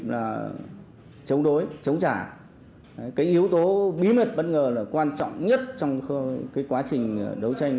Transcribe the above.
là chống đối chống trả cái yếu tố bí mật bất ngờ là quan trọng nhất trong cái quá trình đấu tranh